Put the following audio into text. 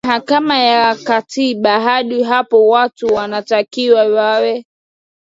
mahakama ya katiba Hadi hapo watu wanatakiwa wawe